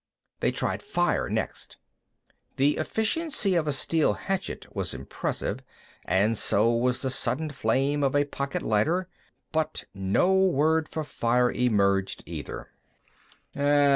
They tried fire, next. The efficiency of a steel hatchet was impressive, and so was the sudden flame of a pocket lighter, but no word for fire emerged, either.